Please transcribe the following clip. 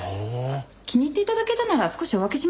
気に入って頂けたなら少しお分けしましょうか？